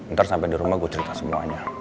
ntar sampai di rumah gue cerita semuanya